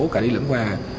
cả đi lẫn về